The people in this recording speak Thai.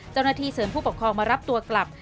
เจ้าหน้าที่เสริมผู้ปกครองมารับตัวกลับ